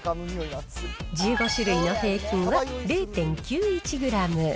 １５種類の平均は０．９１グラム。